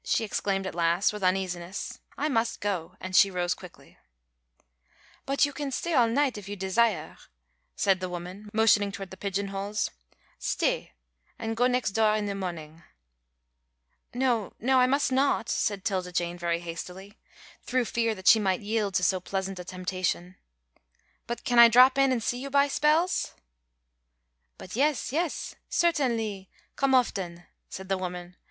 she exclaimed at last, with uneasiness. "I must go," and she rose quickly. "But you can stay all night if you desiah," said the woman, motioning toward the pigeon holes. "Stay, and go nex' doah in the morning." "No, no, I must not," said 'Tilda Jane very hastily, through fear that she might yield to so pleasant a temptation. "But can I drop in an' see you by spells?" "But yes, yes certainly, come often," said the woman.